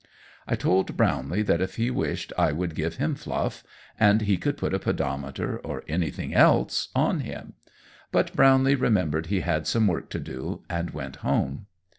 I told Brownlee that if he wished I would give him Fluff, and he could put a pedometer, or anything else, on him; but Brownlee remembered he had some work to do and went home.